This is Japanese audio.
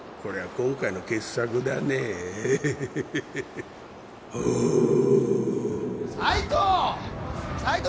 今回の傑作だね・斉藤！